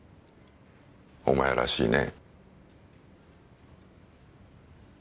お前らしいね。